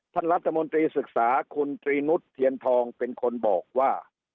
ท่านรัฐมนตรีศึกษาคุณตรีนุษย์เทียนทองเป็นคนบอกว่า